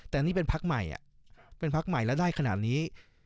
แต่นี่เป็นภักดีใหม่และได้ขนาดนี้